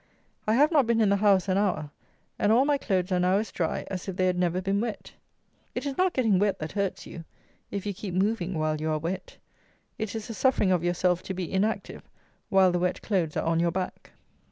I have not been in the house an hour; and all my clothes are now as dry as if they had never been wet. It is not getting wet that hurts you, if you keep moving while you are wet. It is the suffering of yourself to be inactive while the wet clothes are on your back.